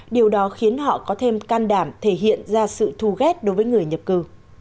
điều đó khiến họ có thêm can đảm thể hiện ra sự thu ghét đối với người nhập cư